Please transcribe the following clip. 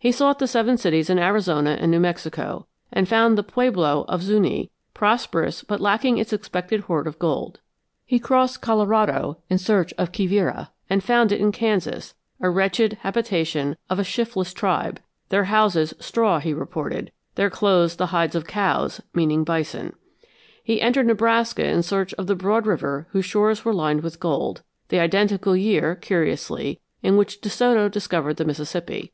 He sought the seven cities in Arizona and New Mexico, and found the pueblo of Zuñi, prosperous but lacking its expected hoard of gold; he crossed Colorado in search of Quivira and found it in Kansas, a wretched habitation of a shiftless tribe; their houses straw, he reported, their clothes the hides of cows, meaning bison. He entered Nebraska in search of the broad river whose shores were lined with gold the identical year, curiously, in which De Soto discovered the Mississippi.